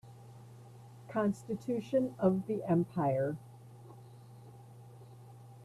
Constitution of the empire